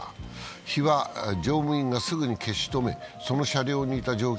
火は乗務員がすぐに消し止め、その車両にいた乗客